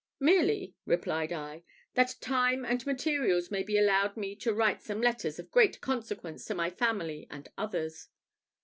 "Merely," replied I, "that time and materials may be allowed me to write some letters of great consequence to my family and others."